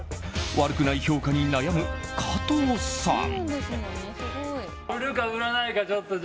悪くない評価に悩む加藤さん。